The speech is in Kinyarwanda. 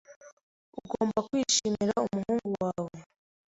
Ugomba kwishimira umuhungu wawe.